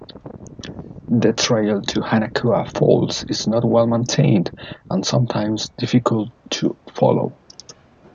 The trail to Hanakoa Falls is not well maintained and sometimes difficult to follow.